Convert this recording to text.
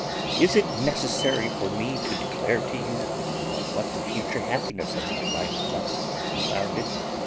is it necessary for me to declare to you on what the future happiness of my life must be founded?